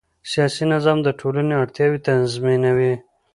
سیاسي نظام د ټولنې اړتیاوې تنظیموي